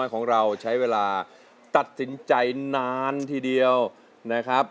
ของเราใช้เวลาตัดสินใจนานทีเดียวนะครับ